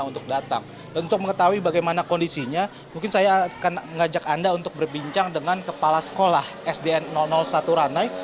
untuk datang untuk mengetahui bagaimana kondisinya mungkin saya akan mengajak anda untuk berbincang dengan kepala sekolah sdn satu ranai